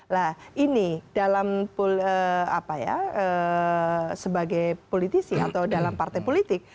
nah ini dalam apa ya sebagai politisi atau dalam partai politik